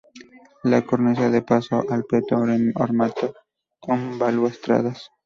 La cornisa da paso al peto ornamentado con balaustradas.